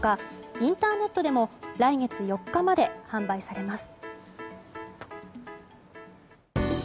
インターネットでも来月４日まで販売されます。